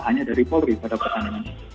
hanya dari polri pada pertandingan